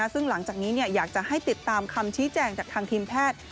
ซึ่งหลังจากนี้อยากจะให้ติดตามคำชี้แจงจากทางทีมแพทย์